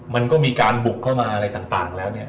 มันก็มีการบุกเข้ามาอะไรต่างแล้วเนี่ย